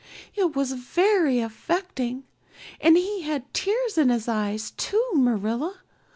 It was very affecting. And he had tears in his eyes too, Marilla.